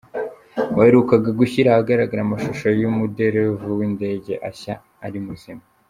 Waherukaga gushyira ahagaragara amashusho y’umuderevu w’indege ashya ari muzima.